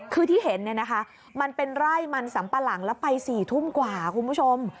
คือที่เห็นเนี่ยนะคะมันเป็นไร่มันสัมปะหลังแล้วไป๔ทุ่มกว่าคุณผู้ชม